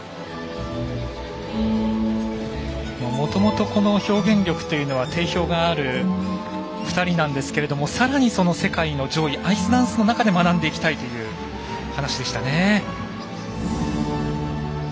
もともとこの表現力というのは定評がある２人なんですけどさらに、その世界の上位アイスダンスの中で学んでいきたいという話でしたね。